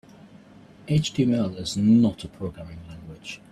HTML is not a programming language.